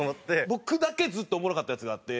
僕だけずっとおもろかったやつがあって。